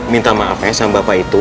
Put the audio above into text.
minta maafnya sama bapak itu